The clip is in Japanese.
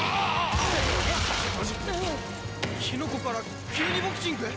キノコから急にボクシング！？